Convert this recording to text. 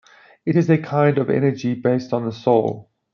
It is a kind of energy based on the soul.